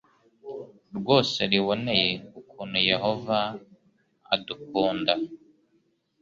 Rwose niboneye ukuntu Yehova adukunda,